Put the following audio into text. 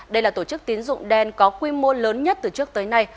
đây là tổ chức tín dụng đen có quy mô lớn nhất từ trước tới nay